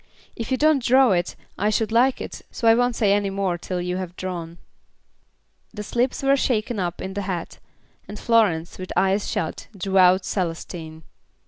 "If you don't draw it, I should like it, so I won't say any more till you have drawn." The slips were shaken up in a hat, and Florence, with eyes shut, drew out Celestine.